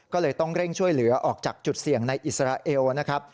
ก็เลยต้องเร่งช่วยเหลือออกจากจุดเสี่ยงในอิสราเอลนะครับ